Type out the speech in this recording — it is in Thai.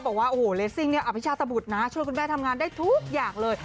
บอกว่าโอ้โหเลสซิ่งเนี่ยอภิชาตบุตรนะช่วยคุณแม่ทำงานได้ทุกอย่างเลย